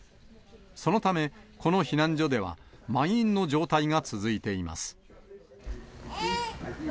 そのためこの避難所では、満員の状態が続いています。